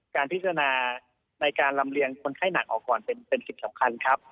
การพิจารณาในการลำเลียงคนไข้หนักออกก่อนเป็นสิ่งสำคัญครับ